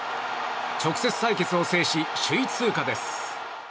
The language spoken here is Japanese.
直接対決を制し首位通過です。